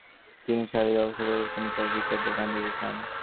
একজন ব্যবসায়ী অভিযোগ করেন, তিনি শাড়ির ব্যবসা পরিবর্তন করে জুতার দোকান দিতে চান।